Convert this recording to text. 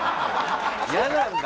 嫌なんだ。